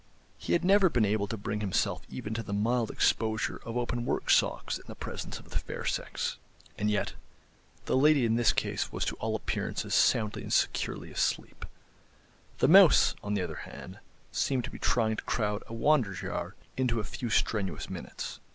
He had never been able to bring himself even to the mild exposure of open work socks in the presence of the fair sex. And yet—the lady in this case was to all appearances soundly and securely asleep; the mouse, on the other hand, seemed to be trying to crowd a Wanderjahr into a few strenuous minutes.